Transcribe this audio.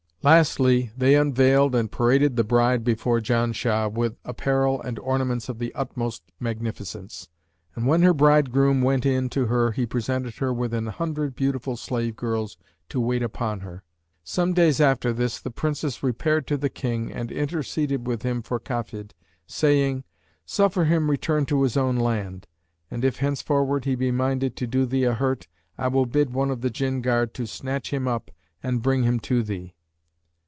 Lastly they unveiled and paraded the bride before Janshah, with apparel and ornaments of the utmost magnificence, and when her bridegroom went in to her he presented her with an hundred beautiful slave girls to wait upon her. Some days after this, the Princess repaired to the King and interceded with him for Kafid, saying, 'Suffer him return to his own land, and if henceforward he be minded to do thee a hurt, I will bid one of the Jinn guard snatch him up and bring him to thee.'